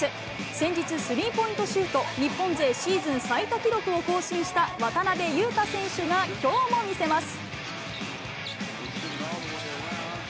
先日、スリーポイントシュート、日本勢シーズン最多記録を更新した渡邊雄太選手がきょうも見せます。